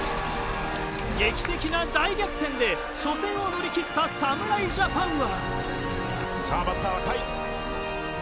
劇的な大逆転で初戦をのりきった侍ジャパンは。